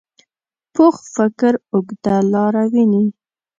پوخ فکر اوږده لاره ویني